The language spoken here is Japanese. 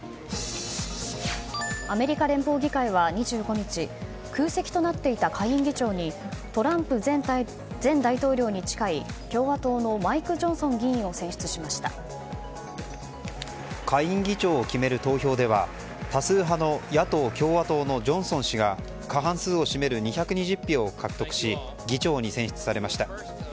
アメリカ連邦議会は２５日空席となっていた下院議長にトランプ前大統領に近い共和党のマイク・ジョンソン議員を下院議長を決める投票では多数派の野党・共和党のジョンソン氏が過半数を占める２２０票を獲得し議長に選出されました。